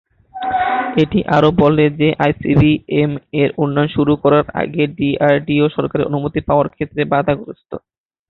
এটি আরও বলে যে আইসিবিএম-এর উন্নয়ন শুরু করার আগে ডিআরডিও সরকারের অনুমতি পাওয়ার ক্ষেত্রে বাধাগ্রস্থ।